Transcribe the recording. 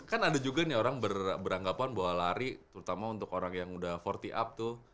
kan ada juga nih orang beranggapan bahwa lari terutama untuk orang yang udah empat puluh up tuh